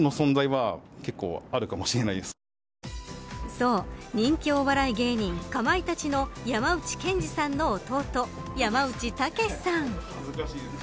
そう、人気お笑い芸人かまいたちの山内健司さんの弟山内剛さん